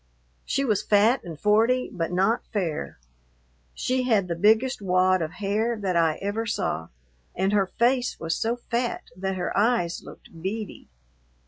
She was fat and forty, but not fair. She had the biggest wad of hair that I ever saw, and her face was so fat that her eyes looked beady.